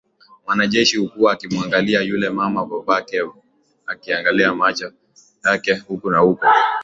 Mwanajeshi hakuwa akimuangalia yule mama badaka yake aliangaza macho yake huku na huko